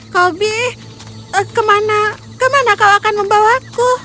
kobi kemana kau akan membawaku